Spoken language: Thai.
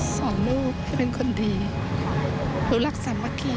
สอนนูกเป็นคนดีรู้รักษาเมื่อกี๊